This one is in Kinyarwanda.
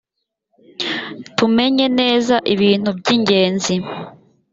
tumenye neza ibintu by ‘ingenzi.